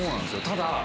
ただ。